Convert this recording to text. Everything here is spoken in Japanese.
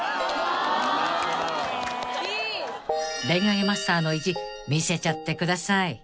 ［恋愛マスターの意地見せちゃってください］